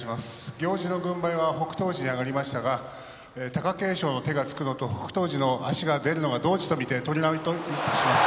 行司の軍配は北勝富士に上がりましたが貴景勝の手がつくのと北勝富士の足が出るのが同時と見て取り直しといたします。